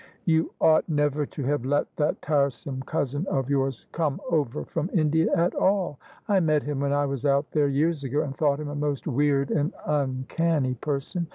"You ought never to have let that tiresome cousin of yours come over from India at all I I met him when I was out there years ago, and thought him a most weird and uncanny person.